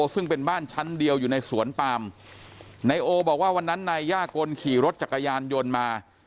ซึ่งเป็นบ้านชั้นเดียวอยู่ในสวนปามนายโอบอกว่าวันนั้นนายย่ากลขี่รถจักรยานยนต์มา